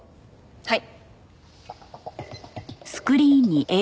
はい。